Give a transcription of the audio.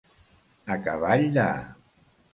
A cavall de.